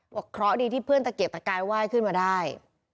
เคราะห์ดีที่เพื่อนตะเกียกตะกายไหว้ขึ้นมาได้